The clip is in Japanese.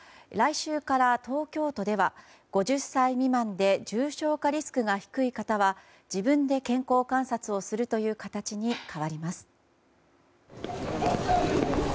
来週から東京都では５０歳未満で重症化リスクが低い方は自分で健康観察をするという形に変わります。